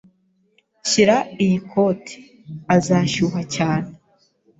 Shyira iyi koti, uzashyuha cyane.